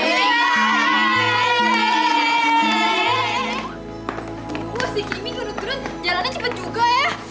yuh si kimi nurut nurut jalannya cepet juga ya